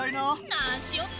何しよっと？